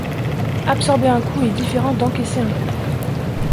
Absorber un coup est différent d’encaisser un coup.